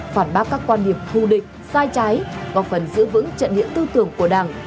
phản bác các quan điểm thù địch sai trái và phần giữ vững trận điểm tư tưởng của đảng